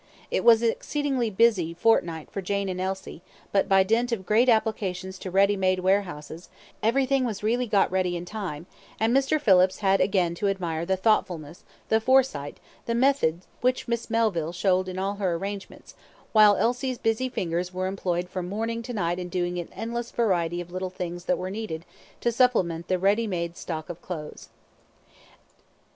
It was an exceedingly busy fortnight for Jane and Elsie; but by dint of great applications to ready made warehouses, everything was really got ready in time, and Mr. Phillips had again to admire the thoughtfulness, the foresight, and the method which Miss Melville showed in all her arrangements, while Elsie's busy fingers were employed from morning to night in doing an endless variety of little things that were needed to supplement the ready made stock of clothes.